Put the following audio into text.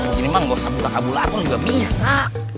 kalau begini emang bosan putang abu latung juga bisa